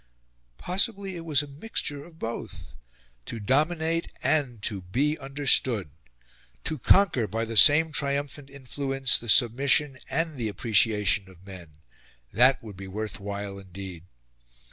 Possibly, it was a mixture of both. To dominate and to be understood! To conquer, by the same triumphant influence, the submission and the appreciation of men that would be worth while indeed!